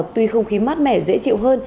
tuy không khí mát mẻ dễ chịu hơn